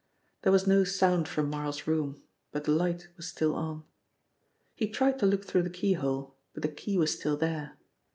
There was no sound from Marl's room, but the light was still on. He tried to look through the keyhole, but the key was still there.